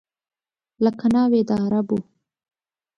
لکه ناوې د عربو